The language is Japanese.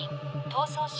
逃走者